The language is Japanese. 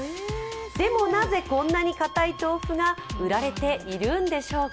でも、なぜこんなにかたい豆腐が売られているのでようか。